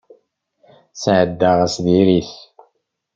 Sɛeddaɣ ass diri-t.